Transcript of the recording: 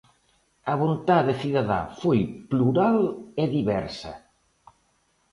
A vontade cidadá foi plural e diversa.